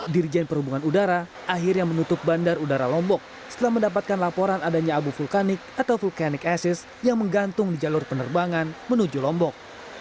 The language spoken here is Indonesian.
dirjen perhubungan udara akhirnya menutup bandar udara lombok setelah mendapatkan laporan adanya abu vulkanik atau vulkanik assis yang menggantung di jalur penerbangan menuju lombok